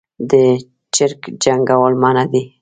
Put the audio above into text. د چرګ جنګول منع دي